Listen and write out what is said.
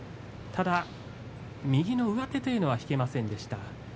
ただ右の上手というのは引けませんでした。